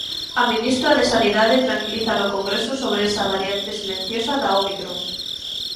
A ministra de Sanidade tranquiliza no Congreso sobre esa variante silenciosa da ómicron.